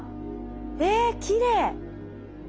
えきれい！